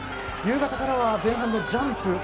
夕方からは前半のジャンプ。